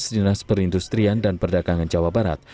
dinas perindustrian dan perdagangan jawa barat